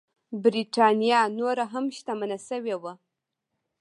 برېټانیا نوره هم شتمنه شوې وه.